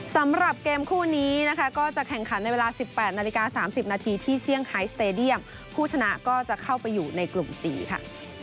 สำหรับเกมคู่นี้นะคะก็จะแข่งขันในเวลา๑๘นาฬิกา๓๐นาทีที่เซี่ยงไฮสเตดียมผู้ชนะก็จะเข้าไปอยู่ในกลุ่มจีนค่ะ